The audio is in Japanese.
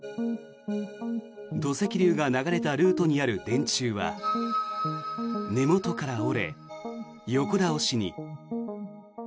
土石流が流れたルートにある電柱は、根元から折れ横倒しに。